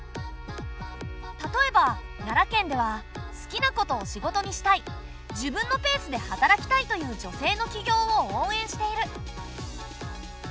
例えば奈良県では好きなことを仕事にしたい自分のペースで働きたいという女性の起業を応援している。